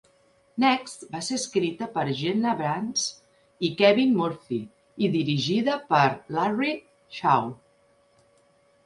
"Next" va ser escrita per Jenna Bans i Kevin Murphy i dirigida per Larry Shaw.